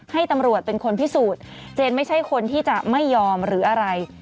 ให้ตำรวจเป็นคนพิสูจน์เจนไม่ใช่คนที่จะไม่ยอมหรืออะไร